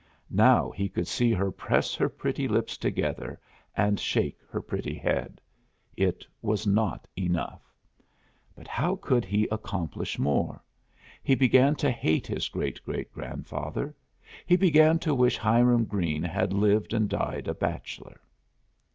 Now, he could see her press her pretty lips together and shake her pretty head. It was not enough. But how could he accomplish more. He began to hate his great great grandfather. He began to wish Hiram Greene had lived and died a bachelor.